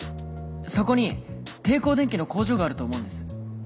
そこに帝工電機の工場があると思うんです。